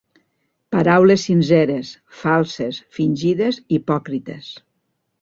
Paraules sinceres, falses, fingides, hipòcrites.